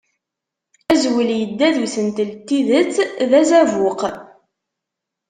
Azwel yedda d usentel d tidet d azabuq.